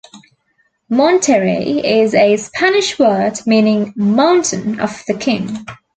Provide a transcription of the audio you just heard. "Monterey" is a Spanish word meaning "mountain of the king".